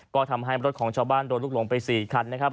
ก็ทำให้รถของชาวบ้านโดนลูกหลงไป๔คันนะครับ